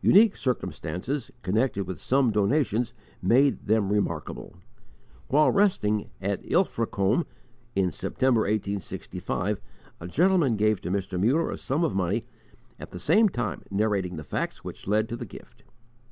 Unique circumstances connected with some donations made them remarkable. While resting at Ilfracombe, in September, 1865, a gentleman gave to Mr. Muller a sum of money, at the same time narrating the facts which led to the gift.